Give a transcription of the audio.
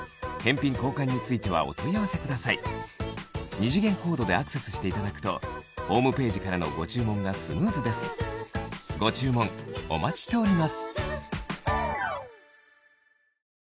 二次元コードでアクセスしていただくとホームページからのご注文がスムーズですご注文お待ちしております